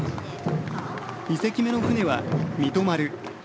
２隻目の船は「美登丸」。